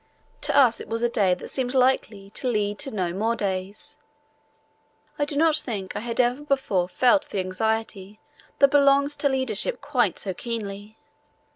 To us it was a day that seemed likely to lead to no more days. I do not think I had ever before felt the anxiety that belongs to leadership quite so keenly.